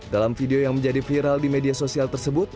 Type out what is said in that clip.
dalam video yang menjadi viral di media sosial tersebut